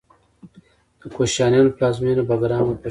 د کوشانیانو پلازمینه بګرام او پیښور و